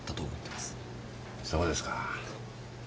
そうですか。